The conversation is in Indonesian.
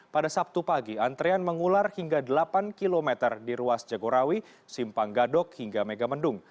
pada sabtu pagi antrean mengular hingga delapan km di ruas jagorawi simpang gadok hingga megamendung